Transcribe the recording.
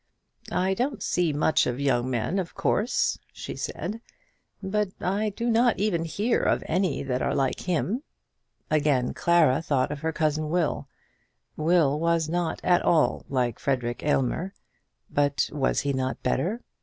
"I don't see much of young men, of course," she said; "but I do not even hear of any that are like him." Again Clara thought of her cousin Will. Will was not at all like Frederic Aylmer; but was he not better?